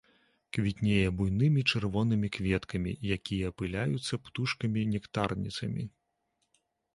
Квітнее буйнымі чырвонымі кветкамі, якія апыляюцца птушкамі нектарніцамі.